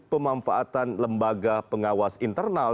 pemamfaatan lembaga pengawas internal